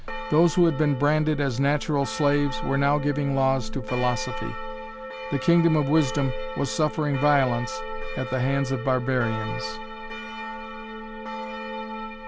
Those who had been branded as natural slaves were now giving laws to philosophy. The kingdom of wisdom was suffering violence at the hands of barbarians.